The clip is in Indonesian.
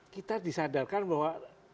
kita disadarkan bahwa